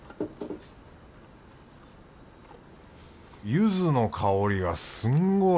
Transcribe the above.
ゆずの香りがすんごい！